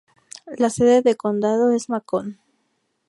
La sede de condado es Macon.